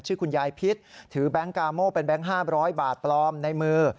ชื่อคุณยายพิษถือแบงค์กาโม่เป็นแบงค์๕๐๐บาทปลอมในมือ